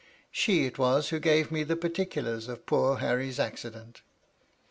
She it was who gave me the particulars of poor Harry's accident.